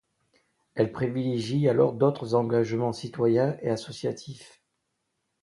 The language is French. Elle privilégie alors d'autres engagements citoyens et associatifs.